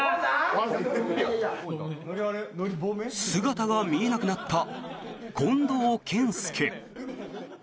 姿が見えなくなった近藤健介。